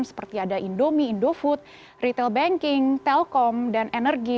seperti ada indomie indofood retail banking telkom dan energi